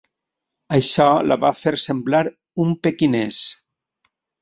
Això la va fer semblar un pequinès.